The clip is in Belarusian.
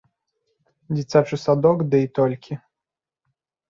Дзіцячы садок дый толькі.